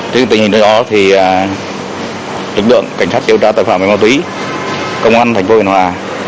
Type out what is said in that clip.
trước tình hình đó thì lực lượng cảnh sát điều tra tội phạm ma túy công an tp biên hòa